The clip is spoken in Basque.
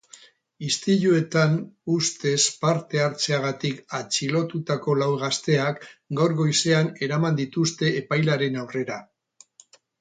Istiluetan ustez parte hartzeagatik atxilotutako lau gazteak gaur goizean eraman dituzte epailearen aurrera.